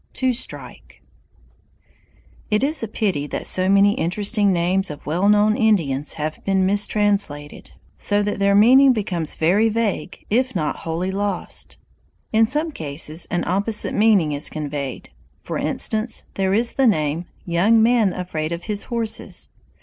]" TWO STRIKE It is a pity that so many interesting names of well known Indians have been mistranslated, so that their meaning becomes very vague if it is not wholly lost. In some cases an opposite meaning is conveyed. For instance there is the name, "Young Man Afraid of His Horses."